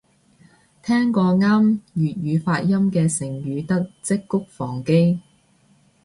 聽過啱粵語發音嘅成語得織菊防基